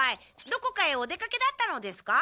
どこかへお出かけだったのですか？